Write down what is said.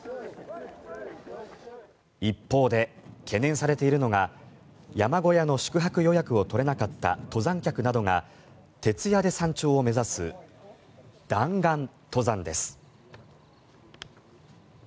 一方で、懸念されているのが山小屋の宿泊予約を取れなかった登山者などが徹夜で山頂を目指す弾丸登山です。